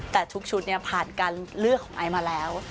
แต่ทุกชุดเนี่ยผ่านการเลือกของไอซ์มาแล้ว